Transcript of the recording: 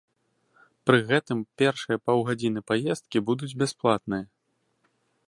Пры гэтым першыя паўгадзіны паездкі будуць бясплатныя.